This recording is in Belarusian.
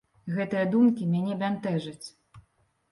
Гэтыя думкі мяне бянтэжаць.